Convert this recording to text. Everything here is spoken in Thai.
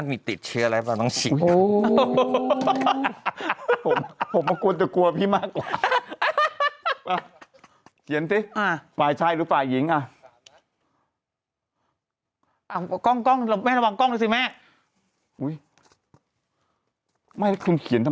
มึงเอาปากกามา